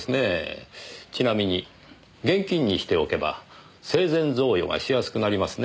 ちなみに現金にしておけば生前贈与がしやすくなりますね。